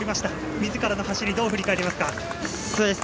みずからの走りどう振り返りますか？